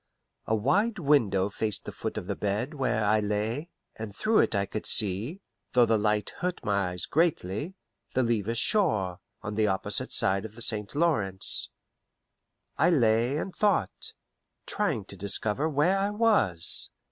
A wide window faced the foot of the bed where I lay, and through it I could see though the light hurt my eyes greatly the Levis shore, on the opposite side of the St. Lawrence. I lay and thought, trying to discover where I was.